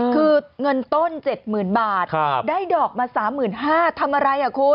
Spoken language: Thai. คือเงินต้น๗๐๐๐บาทได้ดอกมา๓๕๐๐บาททำอะไรคุณ